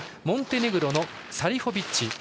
モンテネグロのサリホビッチ。